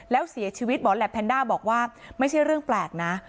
แล้วเสียชีวิตหมอแหลปแพนด้าบอกว่าไม่ใช่เรื่องแปลกนะ